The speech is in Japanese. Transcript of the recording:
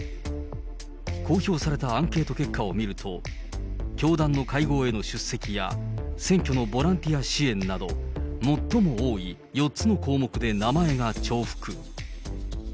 公表されたアンケート結果を見ると、教団の会合への出席や、選挙のボランティア支援など、最も多い４つの項目で名前が重複。